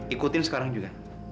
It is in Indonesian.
ikutin sekarang juga